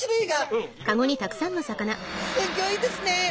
うわすギョいですね！